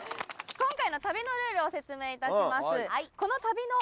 今回の旅のルールを説明いたします